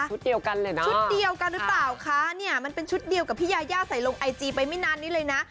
เดียวกันเลยนะชุดเดียวกันหรือเปล่าคะเนี่ยมันเป็นชุดเดียวกับพี่ยายาใส่ลงไอจีไปไม่นานนี้เลยนะ